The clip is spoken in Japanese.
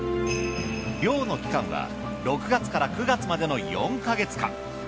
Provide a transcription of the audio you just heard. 漁の期間は６月から９月までの４ケ月間。